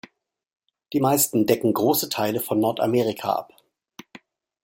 Die meisten decken große Teile von Nordamerika ab.